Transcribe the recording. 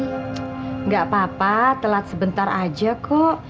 tsk gak apa apa telat sebentar aja kok